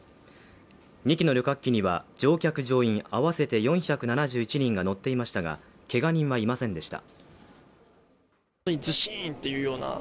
２機の旅客機には乗客・乗員合わせて４１７人が乗っていましたがけが人はいませんでした。